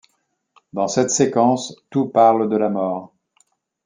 Dans cette séquence, tout parle de la mort.